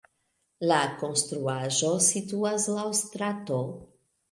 La konstruaĵo situas laŭ strato.